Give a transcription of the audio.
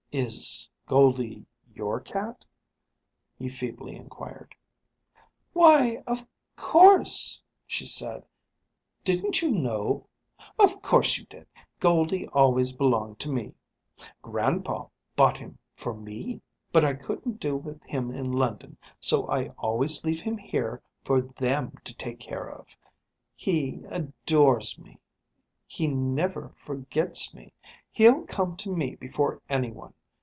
"Is Goldie your cat?" he feebly inquired. "Why, of course?" she said. "Didn't you know? Of course you did! Goldie always belonged to me. Grandpa bought him for me. But I couldn't do with him in London, so I always leave him here for them to take care of. He adores me. He never forgets me. He'll come to me before anyone.